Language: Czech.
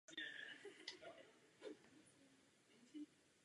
Vyráběl se také ve verzi kabriolet.